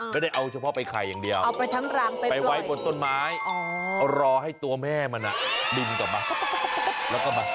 แล้วได้เอาเฉพาะไปไข่อย่างเดียวไปไว้บนต้นไม้รอให้ตัวแม่มันอ่ะดิ้งต่อมาแล้วก็มาโกะไข่